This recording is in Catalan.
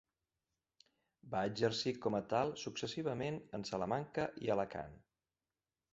Va exercir com a tal successivament en Salamanca i Alacant.